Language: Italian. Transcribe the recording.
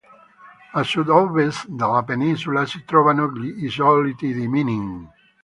A sud-ovest della penisola si trovano gli Isolotti di Minin.